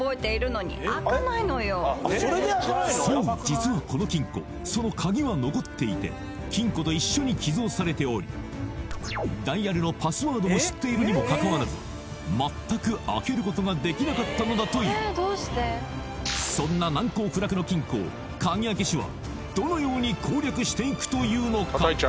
実はこの金庫その鍵は残っていて金庫と一緒に寄贈されておりダイヤルのパスワードも知っているにもかかわらず全く開けることができなかったのだというそんな難攻不落の金庫を鍵開け師はどのように攻略していくというのか？